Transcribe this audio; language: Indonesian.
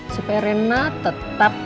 supaya reina tetap